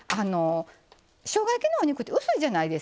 しょうが焼きのお肉って薄いじゃないですか。